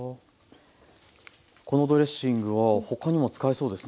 このドレッシングは他にも使えそうですね。